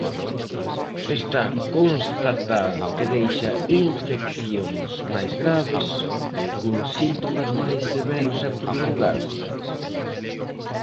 Está constatado que deixa infeccións máis graves, con síntomas máis severos e prolongados?